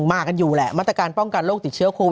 เพราะวันที่๙จะไม่หนาวแล้ววันที่๑๑จะไม่หนาวแล้ว